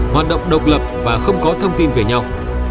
hoạt động độc lập và không có thông tin về nhau